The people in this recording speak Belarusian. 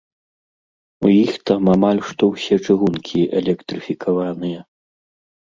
У іх там амаль што ўсе чыгункі электрыфікаваныя.